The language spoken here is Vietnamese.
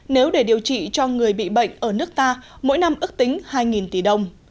nếu để điều trị cho người bị bệnh ở nước ta mỗi năm ước tính hai tỷ đồng